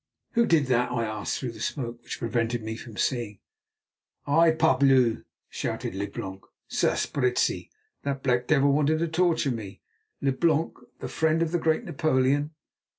"Who did that?" I asked through the smoke, which prevented me from seeing. "I, parbleu!" shouted Leblanc. "Sapristi! that black devil wanted to torture me, Leblanc, the friend of the great Napoleon.